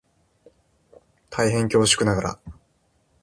大変恐縮ながら